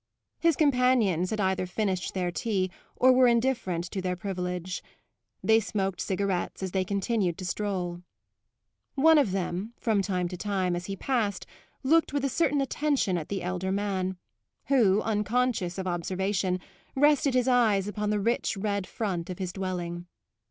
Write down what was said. His companions had either finished their tea or were indifferent to their privilege; they smoked cigarettes as they continued to stroll. One of them, from time to time, as he passed, looked with a certain attention at the elder man, who, unconscious of observation, rested his eyes upon the rich red front of his dwelling.